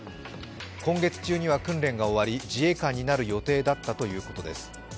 今月中には訓練が終わり、自衛官になる予定だったということです。